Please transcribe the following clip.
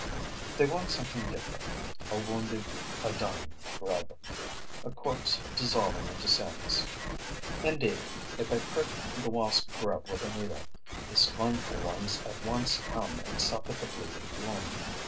They want something different: a wounded, a dying grub; a corpse dissolving into sanies. Indeed, if I prick the wasp grub with a needle, the scornful ones at once come and sup at the bleeding wound.